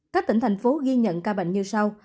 các tỉnh thành phố ghi nhận ca bệnh như sau